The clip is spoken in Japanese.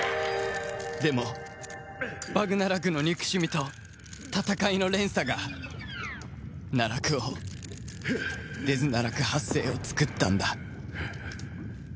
でもバグナラクの憎しみと戦いの連鎖が奈落王デズナラク８世を作ったんだ。